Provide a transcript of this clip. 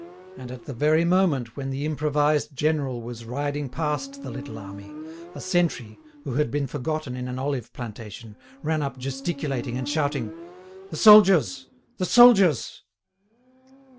And at the very moment when the improvised general was riding past the little army, a sentry, who had been forgotten in an olive plantation, ran up gesticulating and shouting: "The soldiers! The soldiers!"